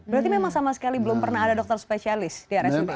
berarti memang sama sekali belum pernah ada dokter spesialis di rsupp